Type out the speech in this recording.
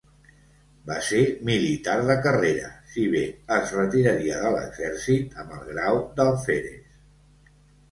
Va ser militar de carrera, si bé es retiraria de l'exèrcit amb el grau d'alferes.